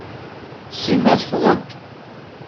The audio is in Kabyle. Sima teffeɣ-d.